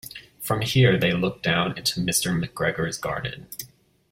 From here they looked down into Mr McGregor's garden.